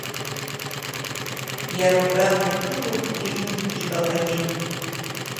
Иара убраҟа игылоуп Ленин ибаҟагьы.